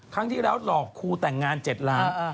ครั้งที่แล้วหลอกครูแต่งงาน๗ล้าน